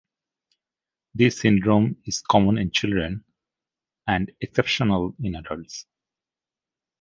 This syndrome is common in children and exceptional in adults.